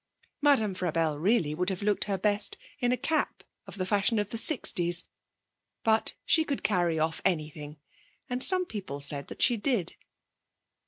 Madame Frabelle really would have looked her best in a cap of the fashion of the sixties. But she could carry off anything; and some people said that she did.